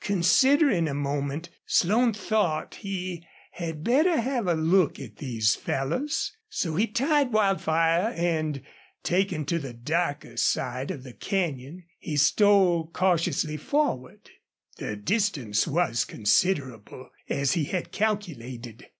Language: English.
Considering a moment, Slone thought he had better have a look at these fellows. So he tied Wildfire and, taking to the darker side of the canyon, he stole cautiously forward. The distance was considerable, as he had calculated.